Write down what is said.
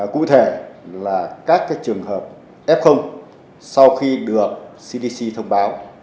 cụ thể là các trường hợp f sau khi được cdc thông báo